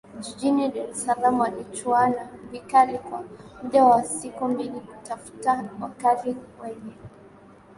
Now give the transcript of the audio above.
jijini Dar es Salaam walichuana vikali kwa muda wa siku mbili kutafuta wakali wenye